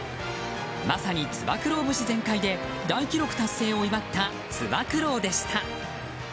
まさにつば九郎節全開で大記録達成を祝ったつば九郎でした。